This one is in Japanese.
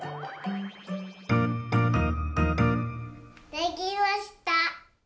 できました！